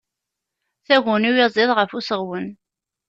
Taguni uyaziḍ af useɣwen.